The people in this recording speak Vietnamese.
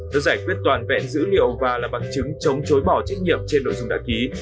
nó giải quyết toàn vẹn dữ liệu và là bằng chứng chống chối bỏ trách nhiệm trên nội dung đã ký